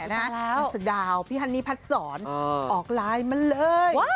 นักซึ่งพี่ฮันนี่พัศสรออกลายมาเลย